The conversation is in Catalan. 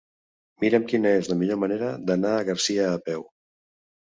Mira'm quina és la millor manera d'anar a Garcia a peu.